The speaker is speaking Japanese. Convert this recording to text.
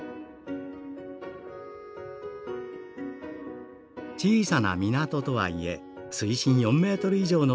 「小さな港とはいえ水深４メートル以上の深さはあります。